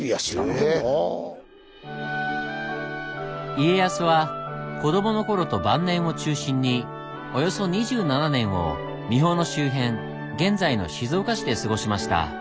家康は子供の頃と晩年を中心におよそ２７年を三保の周辺現在の静岡市で過ごしました。